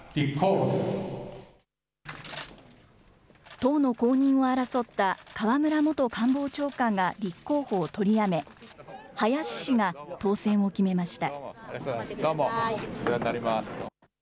党の後任を争った河村元官房長官が立候補を取りやめ、林氏が当選を決めました。